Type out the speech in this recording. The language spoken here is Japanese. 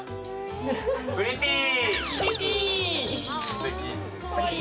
プリティー！